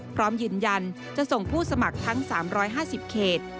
พร้อมยืนยันจะส่งผู้สมัครทั้ง๓๕๐เขต